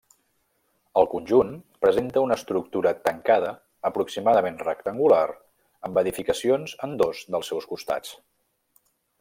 El conjunt presenta una estructura tancada aproximadament rectangular amb edificacions en dos dels seus costats.